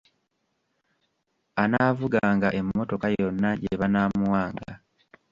Anaavuganga emmotoka yonna gye banaamuwanga.